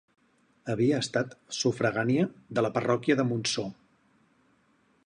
Havia estat sufragània de la parròquia de Montsor.